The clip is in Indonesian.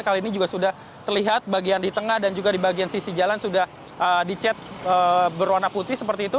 kali ini juga sudah terlihat bagian di tengah dan juga di bagian sisi jalan sudah dicet berwarna putih seperti itu